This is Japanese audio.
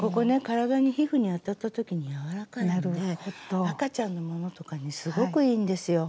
体に皮膚に当たった時に柔らかいので赤ちゃんのものとかにすごくいいんですよ。